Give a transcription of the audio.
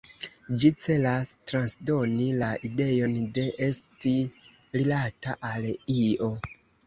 Ĝi celas transdoni la ideon de esti rilata al io.